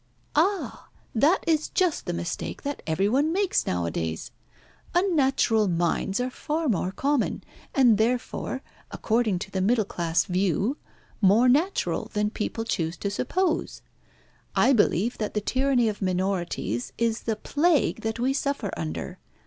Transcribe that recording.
"Ah! that is just the mistake that every one makes nowadays. Unnatural minds are far more common, and therefore, according to the middle class view, more natural than people choose to suppose. I believe that the tyranny of minorities is the plague that we suffer under.